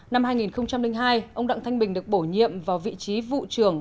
năm hai nghìn hai ông đặng thanh bình được bổ nhiệm vào vị trí vụ trưởng